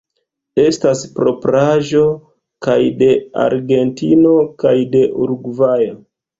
Estas propraĵo kaj de Argentino kaj de Urugvajo.